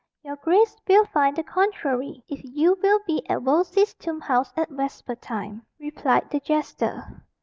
"Your grace will find the contrary, if you will be at Wolsey's tomb house at vesper time," replied the jester.